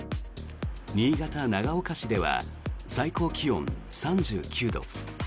新潟・長岡市では最高気温３９度。